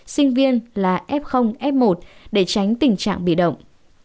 sinh viên là f f một để tránh tình trạng bị động